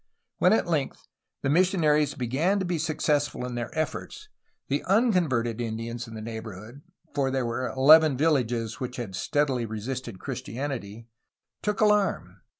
When at length the missionaries began to be successful in their efforts, the unconverted Indians in the neighborhood (for there were eleven villages which had steadily resisted Christianity) took alarm.